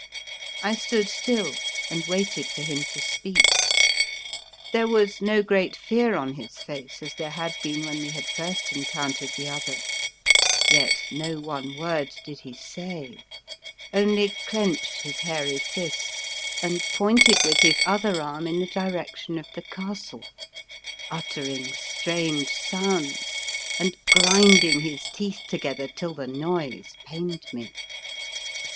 I stood still and waited for him to speak. There was no great fear on his face as there had been when we had first en countered the other, yet no one word did he say, only clenched his hairy fist and pointed with his other arm in the direction of the castle, uttering strange sounds and grinding his teeth together till the noise pained me.